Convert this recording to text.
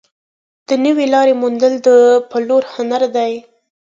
د نوې لارې موندل د پلور هنر دی.